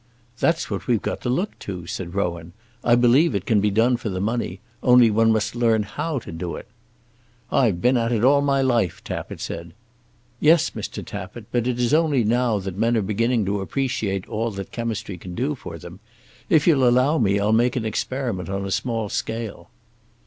"That's what we've got to look to," said Rowan. "I believe it can be done for the money, only one must learn how to do it." "I've been at it all my life," Tappitt said. "Yes, Mr. Tappitt; but it is only now that men are beginning to appreciate all that chemistry can do for them. If you'll allow me I'll make an experiment on a small scale."